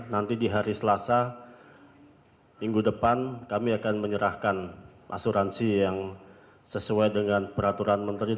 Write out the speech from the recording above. nanti di hari selasa minggu depan kami akan menyerahkan asuransi yang sesuai dengan peraturan menteri